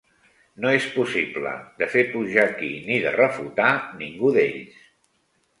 No és possible de fer pujar aquí ni de refutar ningú d'ells